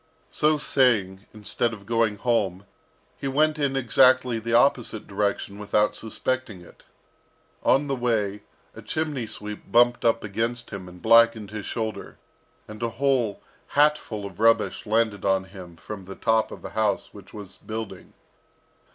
So saying, instead of going home, he went in exactly the opposite direction without suspecting it. On the way, a chimney sweep bumped up against him, and blackened his shoulder, and a whole hatful of rubbish landed on him from the top of a house which was building.